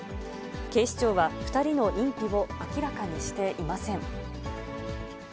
警視庁は２人の認否を明らかにしていません。